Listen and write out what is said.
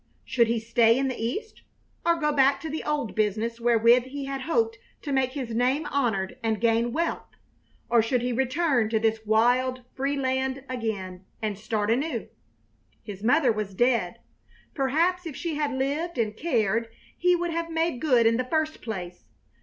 Should he stay in the East and go back to the old business wherewith he had hoped to make his name honored and gain wealth, or should he return to this wild, free land again and start anew? His mother was dead. Perhaps if she had lived and cared he would have made good in the first place.